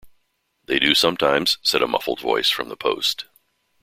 "They do sometimes," said a muffled voice from the post.